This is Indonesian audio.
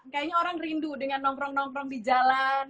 kayaknya orang rindu dengan nongkrong nongkrong di jalan